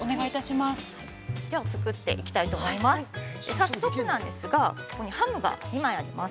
早速なんですがここにハムが２枚あります。